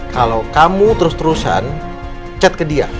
kalau kamu terus terusan chat ke dia